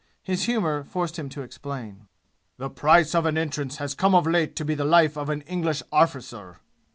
His humor forced him to explain. "The price of an entrance has come of late to be the life of an English arrficer!